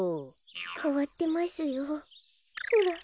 かわってますよほら。